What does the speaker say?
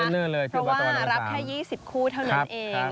เพราะว่ารับแค่๒๐คู่เท่านั้นเอง